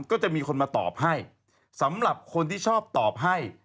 ก็จะมีคนมาตอบให้สำหรับคนที่ชอบตอบให้